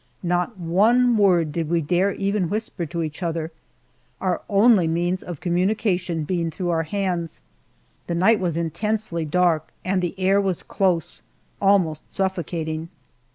Not one word did we dare even whisper to each other, our only means of communication being through our hands. The night was intensely dark and the air was close almost suffocating.